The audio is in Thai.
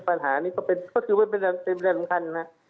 ปัญหานี่ก็คือเป็นระดำคัญ